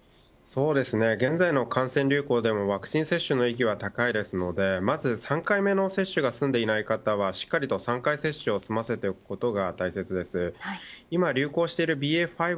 現在の感染流行でもワクチン接種の意義は高いですのでまず３回目の接種が済んでいない方は３回接種を済ませておくことが大切です。